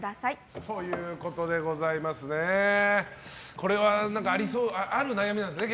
これはある悩みなんですね。